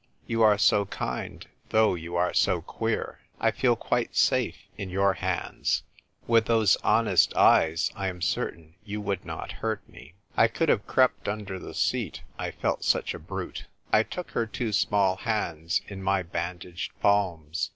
"You are so kind, though you are so queer. I feel quite safe in your hands. With those honest eyes I am certain you would not hurt me." I could have crept under the seat, I felt such a brute. I took her two small hands in my bandaged palms.